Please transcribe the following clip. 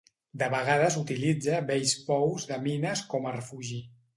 De vegades utilitza vells pous de mines com a refugi.